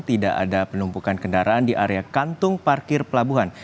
tidak ada penumpukan kendaraan di area kantung parkir pelabuhan